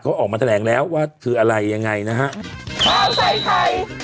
เขาออกมาแถลงแล้วว่าคืออะไรยังไงนะฮะ